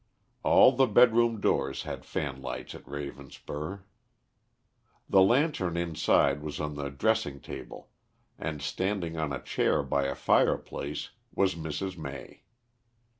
All the bed room doors had fanlights at Ravenspur. The lantern inside was on the dressing table and, standing on a chair by a fireplace, was Mrs. May.